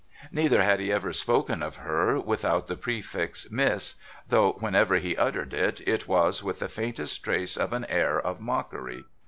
Neither had he ever spoken of her without the prefix ' Miss,' though when ever he uttered it, it was with the faintest trace of an air of mockery.